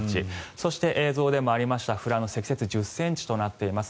そして映像でもありました富良野積雪１０ｃｍとなっています。